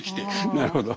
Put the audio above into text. なるほど。